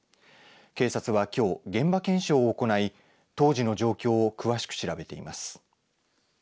警察は、きょう現場検証を行い当時の状況を詳しく調べています。